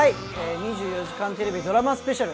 『２４時間テレビ』ドラマスペシャル